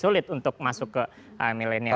sulit untuk masuk ke milenial